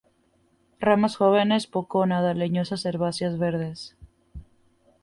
Ramas jóvenes poco o nada leñosas, herbáceas, verdes.